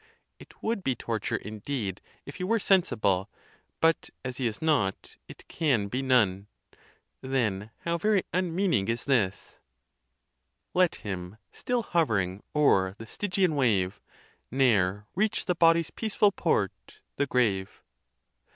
It would be torture, indeed, if he were sensible; but as he is not, it can be none; then how very unmeaning is this: Let him, still hovering o'er the Stygian wave, ~ Ne'er reach the body's peaceful port, the grave!